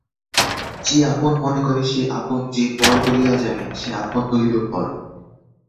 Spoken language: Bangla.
যে আপন মনে করে সেই আপন–যে পর বলিয়া জানে, সে আপন হইলেও পর।